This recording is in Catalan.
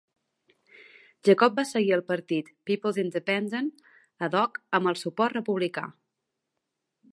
Jacob va seguir el partit "People's Independent" "ad hoc" amb el suport republicà.